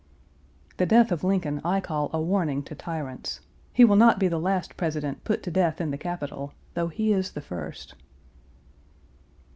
The death of Lincoln I call a warning to tyrants. He will not be the last President put to death in the capital, though he is the first.